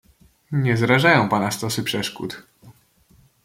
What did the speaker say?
"Nie zrażają pana stosy przeszkód."